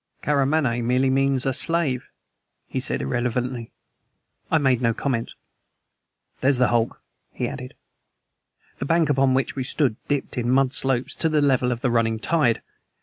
"Karamaneh merely means a slave," he said irrelevantly. I made no comment. "There's the hulk," he added. The bank upon which we stood dipped in mud slopes to the level of the running tide.